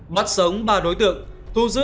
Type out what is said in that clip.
bắt sống ba đối tượng thu giữ